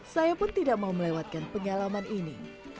saya pun tidak mau melewatkan pengalaman ini